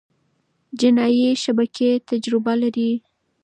جنایي شبکې تجربه لري.